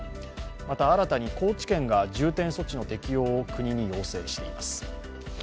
また新たに高知県が重点措置の適用を国に要請しています。